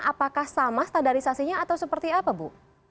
apakah sama standarisasinya atau seperti apa bu